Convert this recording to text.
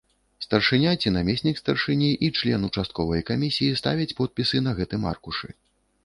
Старшыня ці намеснік старшыні і член участковай камісіі ставяць подпісы на гэтым аркушы.